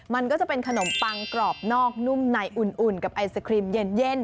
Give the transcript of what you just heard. มันก็จะเป็นขนมปังกรอบนอกนุ่มในอุ่นกับไอศครีมเย็น